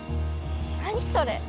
何それ？